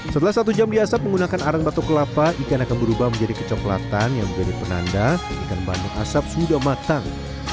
setelah satu jam diasap menggunakan arang batok kelapa ikan akan berubah menjadi kecoklatan yang menjadi penanda ikan bandeng asap sudah matang